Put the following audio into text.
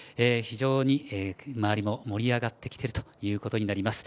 非常に周りも盛り上がってきているということになります。